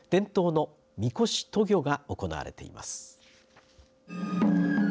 伝統の神輿渡御が行われています。